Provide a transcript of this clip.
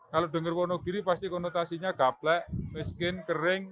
kalau dengar wendegiri pasti konotasinya gaplak miskin kering